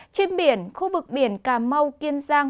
trên biển khu vực biển cà mau kiên giang